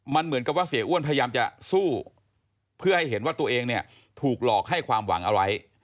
มันเหมือนกับว่าเสียอ้วนพยายามจะสู้เพื่อให้เห็นว่าตัวเองเนี่ยถูกหลอกให้ความหวังอะไร